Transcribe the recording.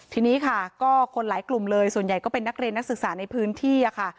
ทีนี้ค่ะก็คนหลายกลุ่มเลยส่วนใหญ่ก็เป็นนักเรียนนักศึกษาในพื้นที่ค่ะ